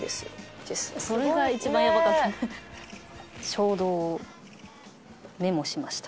衝動をメモしました。